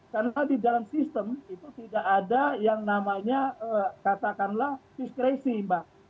karena di dalam sistem itu tidak ada yang namanya katakanlah diskresi mbak